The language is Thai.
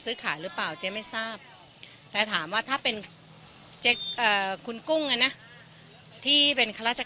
สื้อขาดหรือเปล่าจะไม่ทราบสบายเรื่องสู่วัตถือประโยชน์